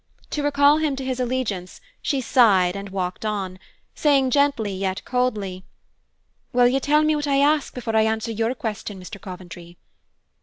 To recall him to his allegiance, she sighed and walked on, saying gently yet coldly, "Will you tell me what I ask before I answer your question, Mr. Coventry?"